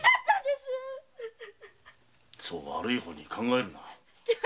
そう悪い方に考えるな。